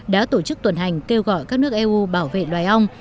đã tổ chức tuần hành kêu gọi các nước eu bảo vệ loài ong